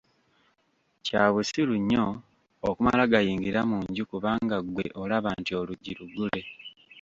Kya busiriu nnyo okumala gayingira mu nju kubanga ggwe olaba nti oluggi luggule.